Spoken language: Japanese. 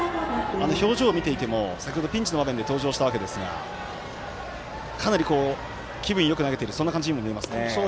表情を見ていても、先ほどピンチの場面で登場したわけですがかなり気分よく投げているそんな感じにも見えますね。